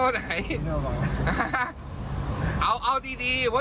เดี๋ยว